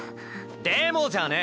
「でも」じゃねぇ！